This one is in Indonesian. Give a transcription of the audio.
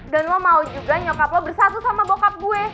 dan lo mau juga nyokap lo bersatu sama bokap gue